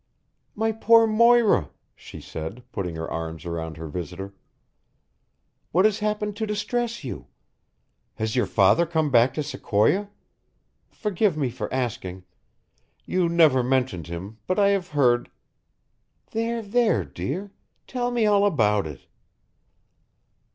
"My poor Moira!" she said, putting her arms around her visitor. "What has happened to distress you? Has your father come back to Sequoia? Forgive me for asking. You never mentioned him, but I have heard There, there, dear! Tell me all about it."